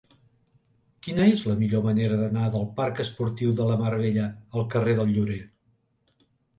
Quina és la millor manera d'anar del parc Esportiu de la Mar Bella al carrer del Llorer?